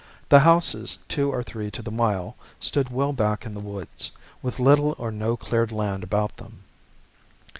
The houses, two or three to the mile, stood well back in the woods, with little or no cleared land about them.